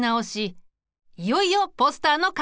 いよいよポスターの完成だ。